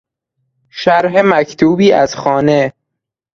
شرح مکتوبی از خانه